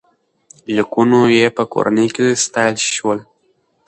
لیکونو یې په کورنۍ کې ستایل شول.